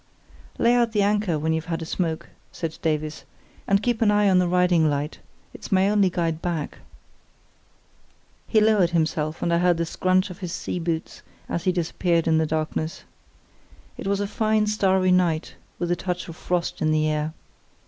"Lay out the anchor when you've had a smoke," said Davies, "and keep an eye on the riding light; it's my only guide back." He lowered himself, and I heard the scrunch of his sea boots as he disappeared in the darkness. It was a fine starry night, with a touch of frost in the air.